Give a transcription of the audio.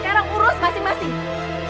sekarang urus masing masing